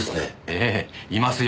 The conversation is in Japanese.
ええいますよ。